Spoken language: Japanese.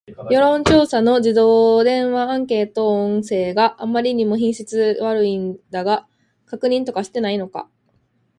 世論調査の自動電話アンケート音声があまりにも品質悪いのだが、確認とかしていないのか